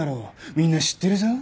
みんな知ってるぞ。